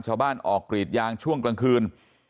ชาวบ้านออกกรีดยางช่วงกลางคืน